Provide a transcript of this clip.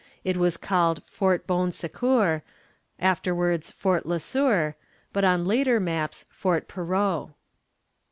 It was called Fort Bon Secours, afterwards Fort Le Sueur, but on later maps Fort Perot.